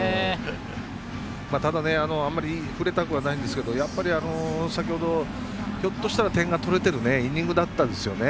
ただ、あんまり触れたくはないんですけど先ほど、ひょっとしたら点が取れてるイニングだったんですよね。